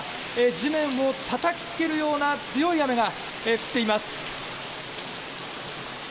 地面をたたきつけるような強い雨が降っています。